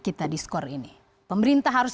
kita di skor ini pemerintah harus